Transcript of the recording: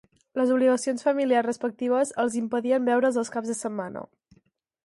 Les obligacions familiars respectives els impedien veure’s els caps de setmana.